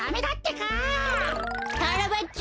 カラバッチョ！